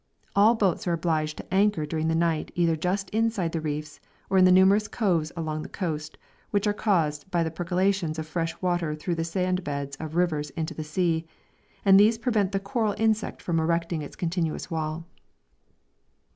All boats are obliged to anchor during the night either just inside the reefs or in the numerous coves along the coast, which are caused by the percolations of fresh water through the sandbeds of rivers into the sea, and these prevent the coral insect from erecting its continuous wall.